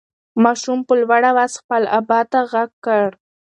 ماشوم په لوړ اواز خپل ابا ته غږ کړ.